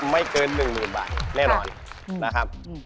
ไม่เกิน๑๐๐๐๐บาทเรียกร้อนนะครับ